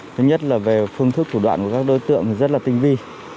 thứ nhất là về phương thức thủ đoạn của các đối tượng thì rất là tinh vi